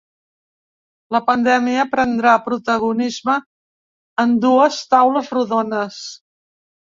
La pandèmia prendrà protagonisme en dues taules rodones.